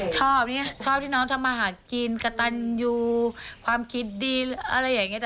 ชอบชอบที่น้องทำมาหากินกระตันยูความคิดดีอะไรอย่างนี้